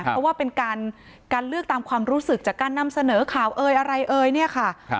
เพราะว่าเป็นการเลือกตามความรู้สึกจากการนำเสนอข่าวเอ่ยอะไรเอ่ยเนี่ยค่ะ